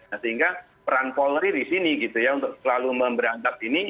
nah sehingga peran polri di sini gitu ya untuk selalu memberantas ini